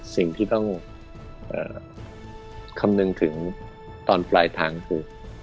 สิ่งที่ต้องคำนึงถึงตอนปลายทางถูก